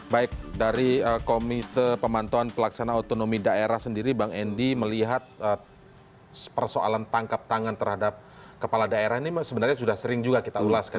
baik dari komite pemantauan pelaksanaan otonomi daerah sendiri bang endi melihat persoalan tangkap tangan terhadap kepala daerah ini sebenarnya sudah sering juga kita ulaskan